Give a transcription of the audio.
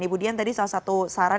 ibu dian tadi salah satu saran